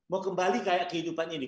mau kembali kayak kehidupan ini